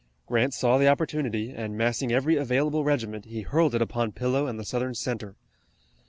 Grant saw the opportunity, and massing every available regiment, he hurled it upon Pillow and the Southern center.